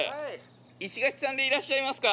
石垣さんでいらっしゃいますか？